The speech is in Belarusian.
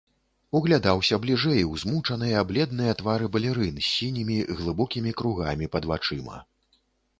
Углядаўся бліжэй у змучаныя, бледныя твары балерын, з сінімі глыбокімі кругамі пад вачыма.